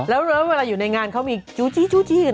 แล้วเวลาอยู่ในงานเขามีจูจีจูจี้